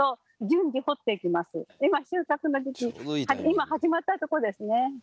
今始まったとこですね。